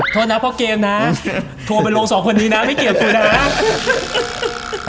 โทษนะพ่อเกมนะโทรไปลงสองคนนี้นะไม่เกี่ยวกูนะ